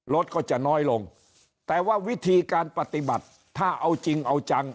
รถก็จะน้อยลงแต่ว่าวิธีการปฏิบัติถ้าเอาจริงเอาจัง